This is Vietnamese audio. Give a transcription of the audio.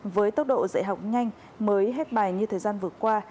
với tốc độ dạy học nhanh mới hết bài như thời gian vừa qua